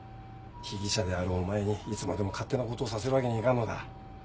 被疑者であるお前にいつまでも勝手なことをさせるわけにいかんのだ。